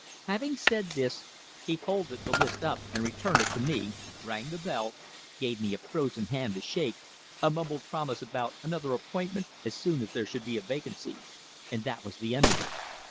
Having said this, he folded the list up and returned it to me, rang the bell, gave me a frozen hand to shake, a mumbled promise about another appointment as soon as there should be a vacancy, and that was the end of it."